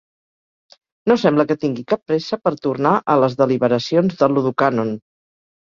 No sembla que tingui cap pressa per tornar a les deliberacions del Ludocànon.